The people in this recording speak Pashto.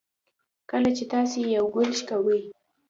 کله چې تاسو یو گل خوښوئ